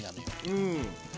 うん。